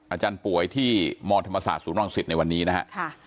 อาจารย์ป่วยที่มธรรมศาสตร์ศูนย์วังศิษฐ์ในวันนี้นะฮะ